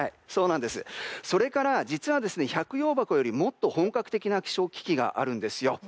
それから、実は百葉箱よりもっとも本格的な気象機器があるんですよ。